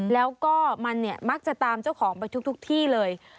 แล้วก็มันเนี่ยมักจะตามเจ้าของไปทุกที่เลย